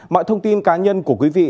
mọi thông tin cá nhân của quý vị